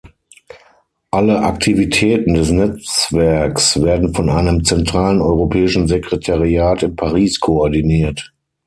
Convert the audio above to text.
Alle Aktivitäten des Netzwerks werden von einem zentralen Europäischen Sekretariat in Paris koordiniert.